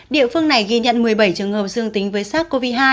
địa phương này ghi nhận một mươi bảy trường hợp dương tính với sars cov hai